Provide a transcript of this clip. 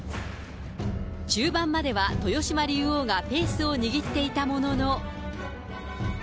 中盤までは豊島竜王がペースを握っていたものの。